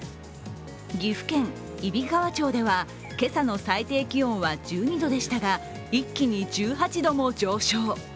岐阜県揖斐川町では今朝の最低気温は１２度でしたが、一気に１８度も上昇。